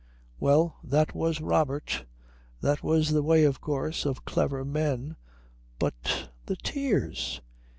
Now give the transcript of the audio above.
Well, that was Robert. That was the way, of course, of clever men. But the tears?